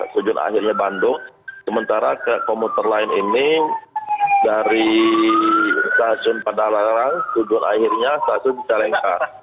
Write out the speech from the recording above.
tujuan akhirnya bandung sementara komuter lain ini dari stasiun padalarang tujuan akhirnya stasiun cicalengka